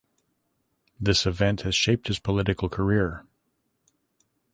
This event has shaped his political career.